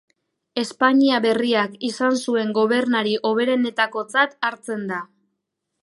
Espainia Berriak izan zuen gobernari hoberenetakotzat hartzen da.